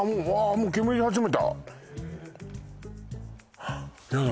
もう煙り始めたヤダ